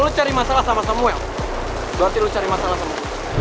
bukan orang pengecot kayak lo